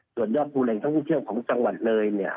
ส่วนยอดภูแหล่งท่องเที่ยวของจังหวัดเลยเนี่ย